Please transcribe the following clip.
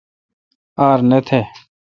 ار نہ تھ۔